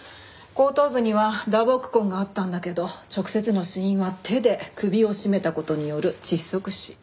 後頭部には打撲痕があったんだけど直接の死因は手で首を絞めた事による窒息死。